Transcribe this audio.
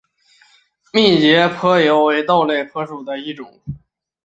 密节坡油甘为豆科坡油甘属下的一个种。